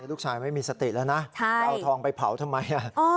ลูกชายไม่มีสติแล้วนะจะเอาทองไปเผาทำไม